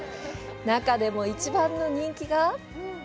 中でも１番の人気が？